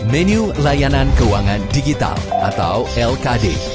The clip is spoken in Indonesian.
menu layanan keuangan digital atau lkd